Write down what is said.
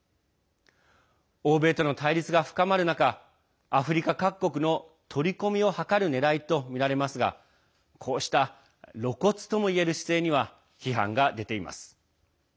欧米との対立が深まる中アフリカ各国の取り込みを図るねらいとみられますがこうした露骨ともいえる姿勢には批判が出ています。